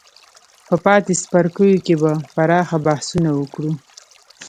په پاتې څپرکو کې به پراخ بحثونه وکړو.